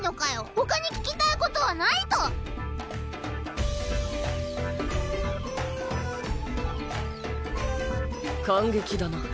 ほかに聞きたいことはないと⁉「感激だな。